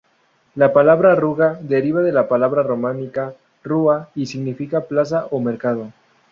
La palabra "arruga" deriva de la palabra románica "rua" y significa plaza o mercado.